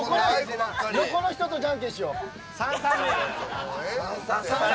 横の人とじゃんけんしよう。